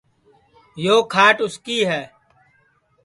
یو کھاٹ اُس کی ہے